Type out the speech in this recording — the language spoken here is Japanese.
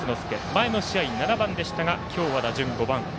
前の試合、７番でしたが今日は打順、５番。